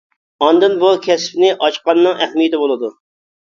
ئاندىن بۇ كەسىپنى ئاچقاننىڭ ئەھمىيىتى بولىدۇ.